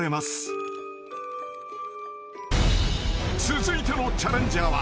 ［続いてのチャレンジャーは］